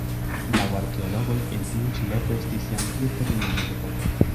Laŭ arkeologoj en tiu ĉi loko estis jam kirko dum la mezepoko.